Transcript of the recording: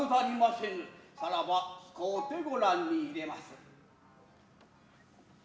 さらば使うてご覧に入れまする。